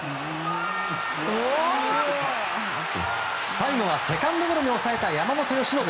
最後はセカンドゴロに抑えた山本由伸。